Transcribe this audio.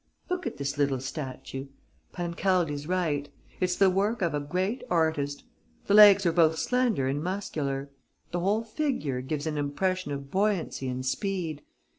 Look at this little statue. Pancaldi's right: it's the work of a great artist. The legs are both slender and muscular; the whole figure gives an impression of buoyancy and speed.